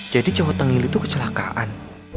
jadi cowok tengil itu kecelakaan